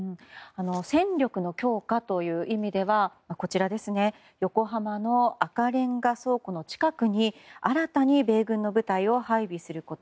戦力の強化という意味では横浜の赤レンガ倉庫の近くに新たに米軍の部隊を配備すること。